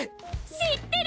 知ってる。